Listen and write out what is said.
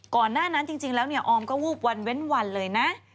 ก่อนหน้านั้นจริงแล้วเนี่ยออมก็วูบวันเว้นวันเลยนะ